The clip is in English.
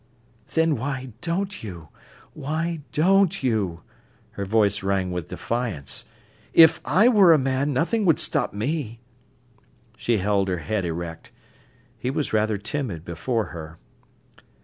"Then why don't you—why don't you?" Her voice rang with defiance. "If I were a man, nothing would stop me." She held her head erect. He was rather timid before her.